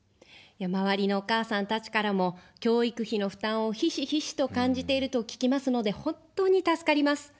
周りのお母さんたちからも、教育費の負担をひしひしと感じていると聞きますので、本当に助かります。